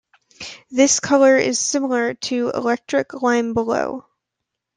This color is similar to Electric Lime below.